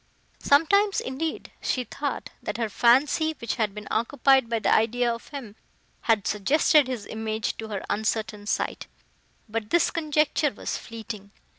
Sometimes, indeed, she thought, that her fancy, which had been occupied by the idea of him, had suggested his image to her uncertain sight: but this conjecture was fleeting.